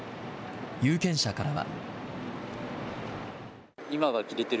有権者からは。